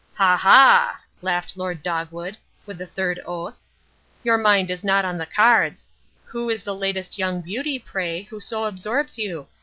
"Ha! ha!" laughed Lord Dogwood, with a third oath, "your mind is not on the cards. Who is the latest young beauty, pray, who so absorbs you?